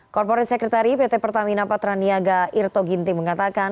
korporat sekretari pt pertamina patraniaga irto ginti mengatakan